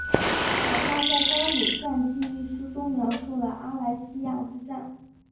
凯撒在高卢战记一书中描述了阿莱西亚之战。